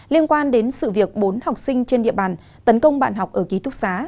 liên quan đến sự việc bốn học sinh trên địa bàn tấn công bạn học ở ký túc xá